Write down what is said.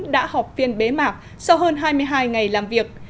đã họp phiên bế mạc sau hơn hai mươi hai ngày làm việc